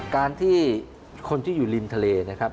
การที่คนที่อยู่ริมทะเลนะครับ